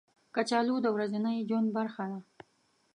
کچالو د ورځني ژوند برخه ده